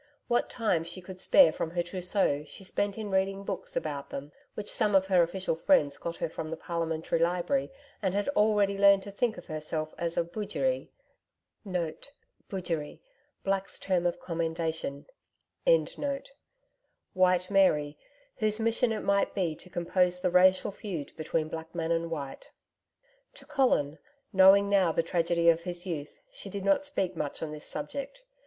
What time she could spare from her trousseau she spent in reading books about them, which some of her official friends got her from the Parliamentary Library, and had already learned to think of herself as a 'bujeri* White Mary,' whose mission it might be to compose the racial feud between blackman and white. [*Bujeri Black's term of commendation.] To Colin, knowing now the tragedy of his youth, she did not speak much on this subject.